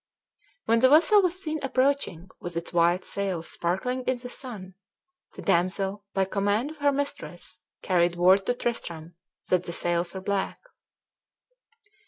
When the vessel was seen approaching, with its white sails sparkling in the sun, the damsel, by command of her mistress, carried word to Tristram that the sails were black.